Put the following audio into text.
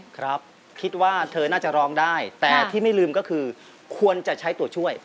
ครับคิดว่าเธอน่าจะร้องได้แต่ที่ไม่ลืมก็คือควรจะใช้ตัวช่วย